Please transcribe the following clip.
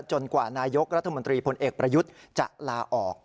กว่านายกรัฐมนตรีพลเอกประยุทธ์จะลาออก